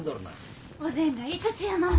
お膳が５つやもん。